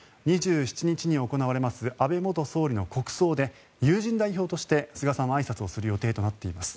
２７日に行われます安倍元総理の国葬で友人代表として菅さんはあいさつをする予定になっています。